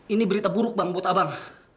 ini berita buruk bang buat abang